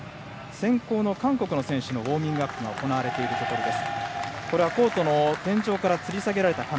先攻の韓国の選手のウォーミングアップが行われています。